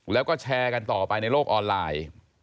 แล้วก็แชร์กันต่อไปในโลกออนไลน์